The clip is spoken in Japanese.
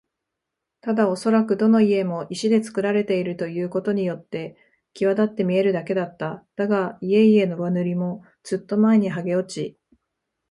ただおそらくどの家も石でつくられているということによってきわだって見えるだけだった。だが、家々の上塗りもずっと前にはげ落ち、